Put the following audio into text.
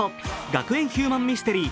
学園ヒューマンミステリー